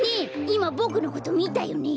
いまボクのことみたよね？